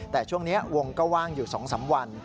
แต่ช่วงนี้วงก็ว่างอยู่๒๓วัน